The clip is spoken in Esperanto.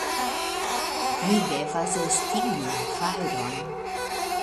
Mi devas estingi la fajron.